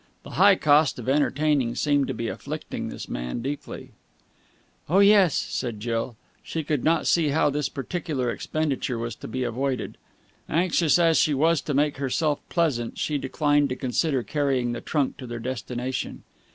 The high cost of entertaining seemed to be afflicting this man deeply. "Oh, yes," said Jill. She could not see how this particular expenditure was to be avoided. Anxious as she was to make herself pleasant, she declined to consider carrying the trunk to their destination.